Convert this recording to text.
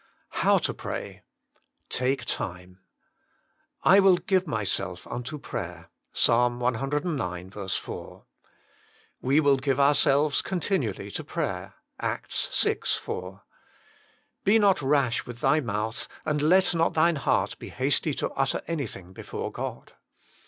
HOW TO PRAY. ake Citiu "I give myself unto prayer." Ps. cix. 4. "We will give ourselves continually to prayer." ACTS vi. 4. "Be not rash with thy mouth, and let not thine heart be hasty to utter anything before God."